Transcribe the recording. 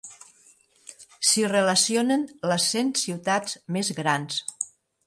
S'hi relacionen les cent ciutats més grans.